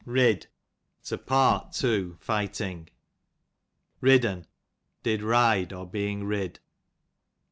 Rid, to part two fighting, Ridd'n, did ride, *>r being rid.